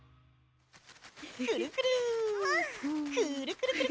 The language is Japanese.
くるくる。